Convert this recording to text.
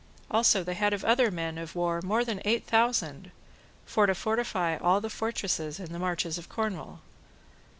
Also they had of other men of war more than eight thousand, for to fortify all the fortresses in the marches of Cornwall.